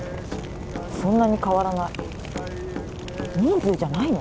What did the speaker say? そんなに変わらない人数じゃないの？